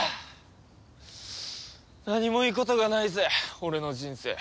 何もいいことがないぜ俺の人生。